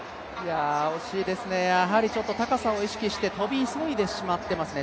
惜しいですね、高さを意識して跳び急いでしまっていますね。